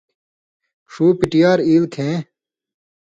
ݜُو پٹیۡ یار ایل کھیں